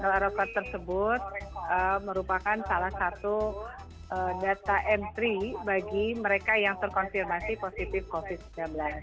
lrt tersebut merupakan salah satu data entry bagi mereka yang terkonfirmasi positif covid sembilan belas